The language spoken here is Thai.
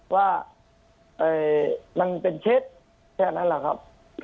ว่ามันเป็นเท็จแค่นั้นแหละครับ